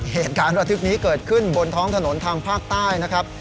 เหตุการณ์ระทึกนี้เกิดขึ้นบนท้องถนนทางภาคใต้นะครับ